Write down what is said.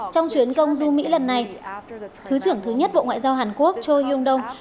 trong chuyến công du mỹ lần này thứ trưởng thứ nhất bộ ngoại giao hàn quốc cho hương đông